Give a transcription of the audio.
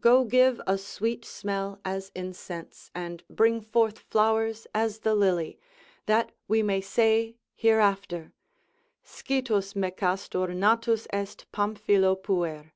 Go give a sweet smell as incense, and bring forth flowers as the lily: that we may say hereafter, Scitus Mecastor natus est Pamphilo puer.